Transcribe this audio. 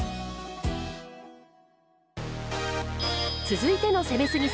続いての「攻めすぎ！？